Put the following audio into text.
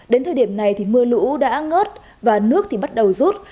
đến thời điểm này thì mưa lũ đã ngớt và nước thì bắt đầu rút